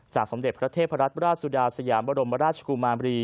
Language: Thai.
จากสำเล็กพระเทพรถราชสุดาสยามารมราชกุมามรี